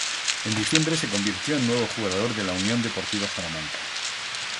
En diciembre se convirtió en nuevo jugador de la Unión Deportiva Salamanca.